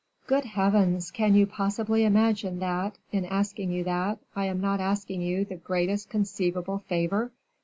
"Good heavens! can you possibly imagine that, in asking you that, I am not asking you the greatest conceivable favor?